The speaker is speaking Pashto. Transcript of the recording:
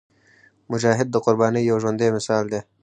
مجاهد د قربانۍ یو ژوندی مثال دی.